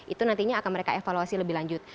itu nantinya akan mereka evaluasi lebih lanjut